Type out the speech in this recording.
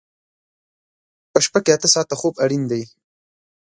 په شپه کې اته ساعته خوب اړین دی.